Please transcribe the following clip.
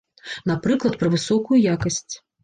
Напрыклад, пра высокую якасць.